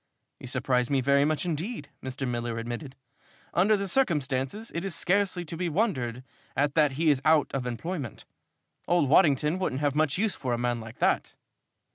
"You surprise me very much indeed," Mr. Miller admitted. "Under the circumstances, it is scarcely to be wondered at that he is out of employment. Old Waddington wouldn't have much use for a man like that."